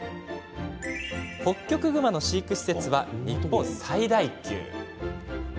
ホッキョクグマの飼育施設は日本最大級。